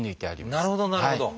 なるほどなるほど。